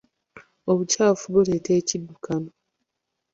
Obukyafu buleeta ekiddukano.